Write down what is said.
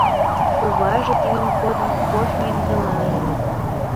Коваже тидын годым кофем ямдыла ыле.